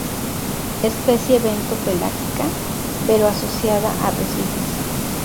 Especie bento-pelágica, pero asociada a arrecifes.